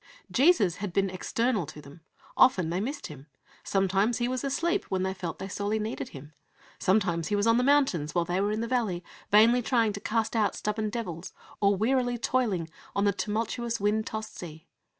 Jesus had been external to them. Often they missed Him. Sometimes He was asleep when they felt they sorely needed Him. Sometimes He was on the mountains, while they were in the valley vainly trying to cast out stubborn devils, or wearily toiling on the tumultuous, wind tossed sea.